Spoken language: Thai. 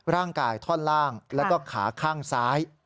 ท่อนล่างแล้วก็ขาข้างซ้าย